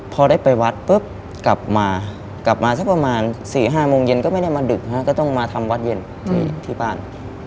พอได้ไปวัดปุ๊บกลับมากลับมาสักประมาณ๔๕โมงเย็นก็ไม่ได้มาดึกฮะก็ต้องมาทำวัดเย็นที่บ้าน